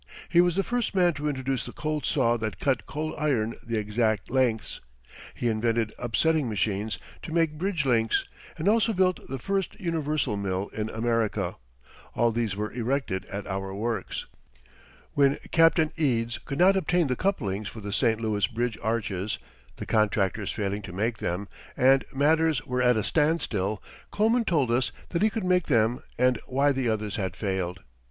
He was the first man to introduce the cold saw that cut cold iron the exact lengths. He invented upsetting machines to make bridge links, and also built the first "universal" mill in America. All these were erected at our works. When Captain Eads could not obtain the couplings for the St. Louis Bridge arches (the contractors failing to make them) and matters were at a standstill, Kloman told us that he could make them and why the others had failed.